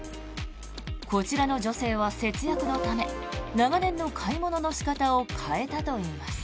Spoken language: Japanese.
こちらの女性は節約のため長年の買い物の仕方を変えたといいます。